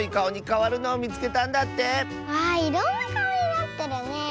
わあいろんなかおになってるねえ。